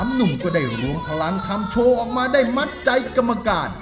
หนุ่มก็ได้รวมพลังทำโชว์ออกมาได้มัดใจกรรมการ